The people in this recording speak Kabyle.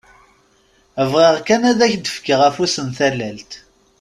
Bɣiɣ kan ad ak-d-fkeɣ afus n tallalt!